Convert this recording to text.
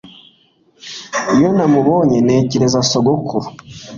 Iyo namubonye ntekereza sogokuru